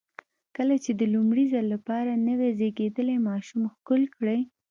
کله چې د لومړي ځل لپاره نوی زېږېدلی ماشوم ښکل کړئ.